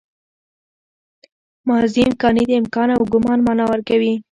ماضي امکاني د امکان او ګومان مانا ورکوي.